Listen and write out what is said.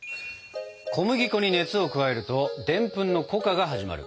小麦粉に熱を加えるとでんぷんの糊化が始まる。